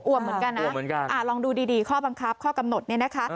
วมเหมือนกันนะลองดูดีข้อบังคับข้อกำหนดเนี่ยนะคะ